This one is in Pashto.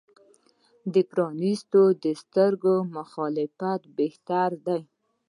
د پرانیستو سترګو مخالفت بهتر دی.